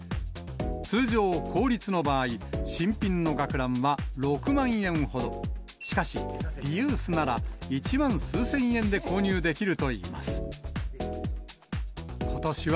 通常、公立の場合、新品の学ランは６万円ほど、しかし、リユースなら１万数千円で購入できるといいます。